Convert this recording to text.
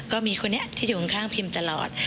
ก็มีคนนี้ที่อยู่ข้างพิมตลอด